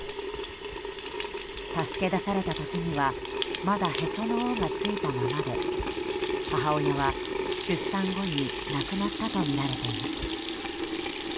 助け出された時にはまだ、へその緒が付いたままで母親は出産後に亡くなったとみられています。